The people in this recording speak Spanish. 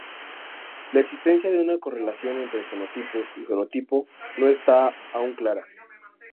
La existencia de una correlación entre genotipo y fenotipo no está aun clara.